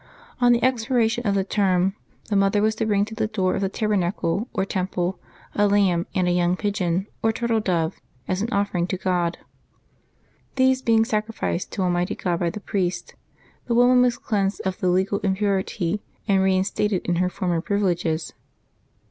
On the expiration of the term, the mother was to bring to the door of the tabernacle, or Temple, a lamb and a young pigeon, or turtle dove, as an offering to God. These being sacrificed to Almighty God by the priest, the woman was cleansed of the legal impurity and reinstated in her former privileges.